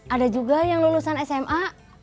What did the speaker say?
ada juga yang lulusan sma